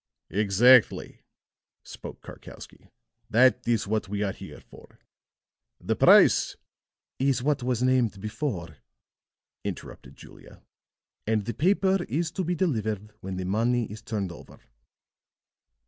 "Exactly," spoke Karkowsky. "That is what we are here for. The price " "Is what was named before," interrupted Julia. "And the paper is to be delivered when the money is turned over."